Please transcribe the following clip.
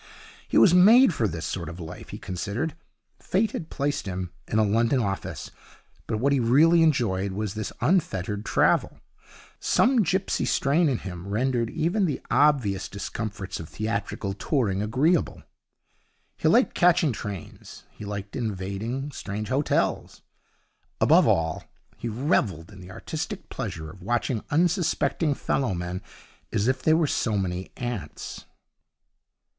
He was made for this sort of life, he considered. Fate had placed him in a London office, but what he really enjoyed was this unfettered travel. Some gipsy strain in him rendered even the obvious discomforts of theatrical touring agreeable. He liked catching trains; he liked invading strange hotels; above all, he revelled in the artistic pleasure of watching unsuspecting fellow men as if they were so many ants.